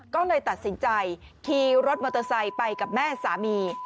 ก็เลยตัดสินใจขี่รถมอเตอร์ไซค์ไปกับแม่สามี